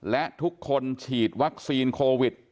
และทุกคนฉีดวัคซีนโควิด